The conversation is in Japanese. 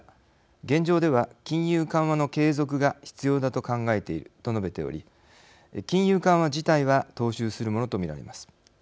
現状では金融緩和の継続が必要だと考えていると述べており金融緩和自体は踏襲するものと見られます。